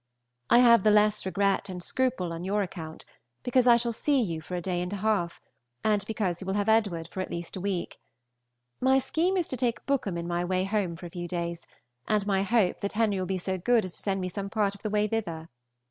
I have the less regret and scruple on your account, because I shall see you for a day and a half, and because you will have Edward for at least a week. My scheme is to take Bookham in my way home for a few days, and my hope that Henry will be so good as to send me some part of the way thither.